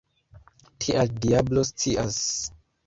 Tial diablo scias!